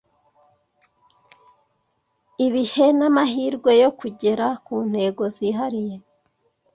ibihe n'amahirwe yo kugera ku ntego zihariye